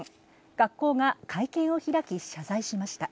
学校が会見を開き、謝罪しました。